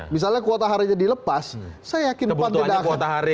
misalnya kuota harinya dilepas saya yakin pan tidak akan